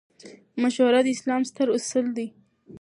مشوره د اسلام ستر اصل دئ.